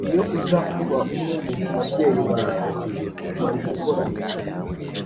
Iyo uza kuba umwe mu babyeyi ba Lori wari gukora iki